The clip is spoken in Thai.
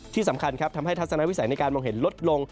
ที่สำคัญครับทำให้ทัศนวิสัยในการมองเห็นลดลง